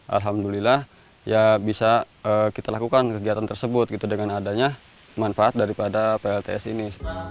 alhamdulillah ya bisa kita lakukan kegiatan tersebut gitu dengan adanya manfaat daripada plts ini